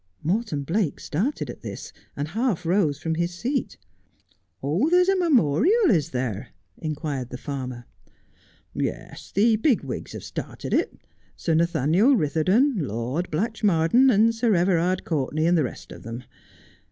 Morton Blake started at this, and half rose from his seat. ' Oh, there's a memorial, is there ?' inquired the farmer. ' Yes, the big wigs have started it ; Sir Nathaniel Ritherdon, Lord Blatchmardean, and Sir Everard Courtenay, and the rest of them.